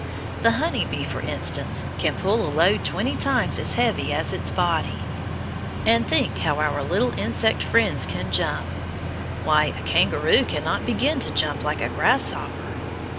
The honey bee, for instance, can pull a load twenty times as heavy as its body. And think how our little insect friends can jump! Why, a kangaroo cannot begin to jump like a grasshopper.